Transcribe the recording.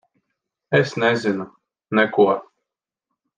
Es nezinu. Neko.